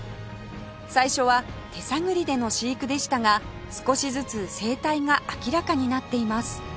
最初は手探りでの飼育でしたが少しずつ生態が明らかになっています